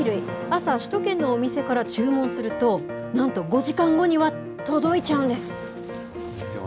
朝、首都圏のお店から注文すると、なんと、５時間後には届いちゃうんです。